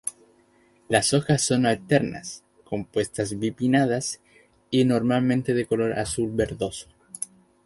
Las hojas son alternas, compuestas bipinnadas y normalmente de color azul-verdoso.